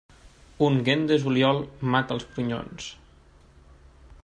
Ungüent de juliol, mata els prunyons.